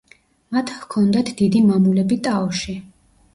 მათ ჰქონდათ დიდი მამულები ტაოში.